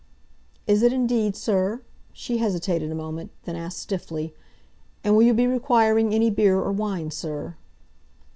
"Is it indeed, sir?" She hesitated a moment, then asked stiffly, "And will you be requiring any beer, or wine, sir?"